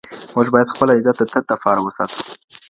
موږ بايد خپل عزت د تل دپاره وساتو.